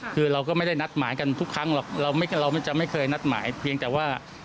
คือเราก็ไม่ได้นัดหมายกันทุกครั้งหรอกเราจะไม่เคยนัดหมายเพียงแต่ว่า